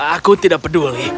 aku tidak peduli